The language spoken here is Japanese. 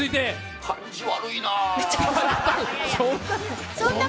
感じ悪いなぁ。